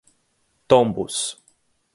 Tombos